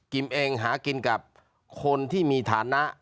เองหากินกับคนที่มีฐานะ